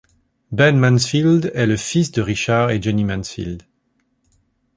Ben Mansfield est le fils de Richard et Jenny Mansfield.